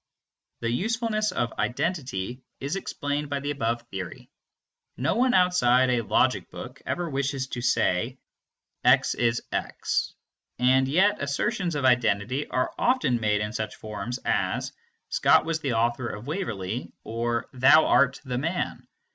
The usefulness of identity is explained by the above theory. No one outside of a logic book ever wishes to say "x is x," and yet assertions of identity are often made in such forms as "Scott was the author of Waverley" or "thou are the man."